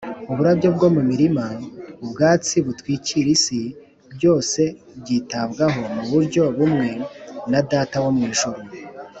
uburabyo bwo mu mirima, ubwatsi butwikiriye isi, byose byitabwaho mu buryo bumwe na data wo mu ijuru